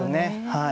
はい。